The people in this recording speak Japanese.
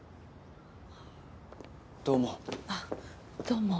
どうも。